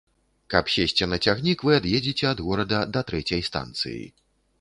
Каб сесці на цягнік, вы ад'едзеце ад горада да трэцяй станцыі.